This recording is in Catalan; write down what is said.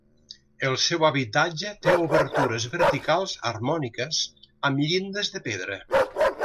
El seu habitatge té obertures verticals harmòniques, amb llindes de pedra.